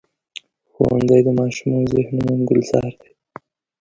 ښوونځی د ماشومو ذهنونو ګلزار دی